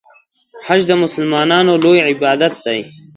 حج د مسلمانانو لوی عبادت دی.